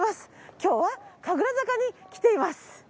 今日は神楽坂に来ています。